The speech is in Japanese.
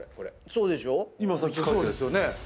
そうですよね。